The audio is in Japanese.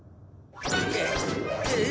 えっ？